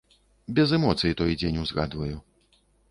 Без эмоцый той дзень узгадваю.